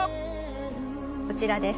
こちらです。